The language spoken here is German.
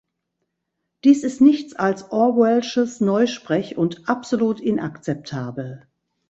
Dies ist nichts als Orwell'sches Neusprech und absolut inakzeptabel.